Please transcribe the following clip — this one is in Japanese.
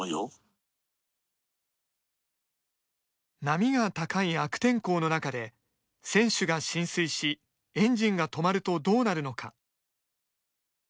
波が高い悪天候の中で船首が浸水しエンジンが止まるとどうなるのか。